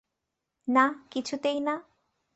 না, কিছুতেই না।